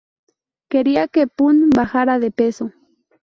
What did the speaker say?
Quería que Pun bajara de peso.